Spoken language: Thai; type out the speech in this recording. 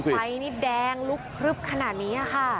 อื้มไฟนี้แดงลุกพลึกขนาดนี้ค่ะ